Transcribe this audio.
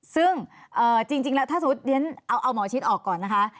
ซึ่งจริงแล้วถ้าสมมุติเรียนเอาหมอชิดออกก่อนนะคะ